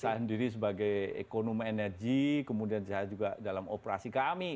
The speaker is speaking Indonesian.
saya sendiri sebagai ekonomi energi kemudian saya juga dalam operasi kami